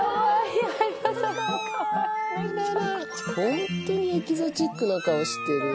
ホントにエキゾチックな顔してる。